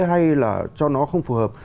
hay là cho nó không phù hợp